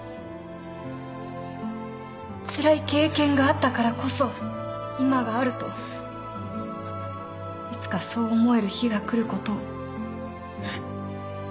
つらい経験があったからこそ今があるといつかそう思える日が来ることを。